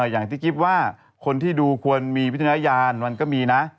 อย่างที่คิดว่าคนที่ดูควรมีพิจารณญาญาณมันก็มีนะ